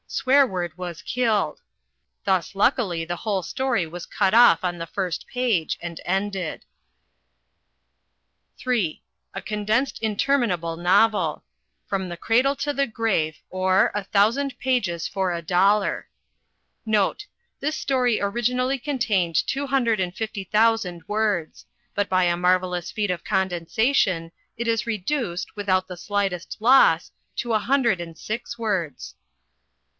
Swearword was killed. Thus luckily the whole story was cut off on the first page and ended. (III) A CONDENSED INTERMINABLE NOVEL FROM THE CRADLE TO THE GRAVE OR A THOUSAND PAGES FOR A DOLLAR NOTE. This story originally contained two hundred and fifty thousand words. But by a marvellous feat of condensation it is reduced, without the slightest loss, to a hundred and six words.